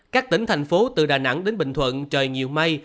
các tỉnh thành phố từ đà nẵng đến bình thuận trời nhiều mây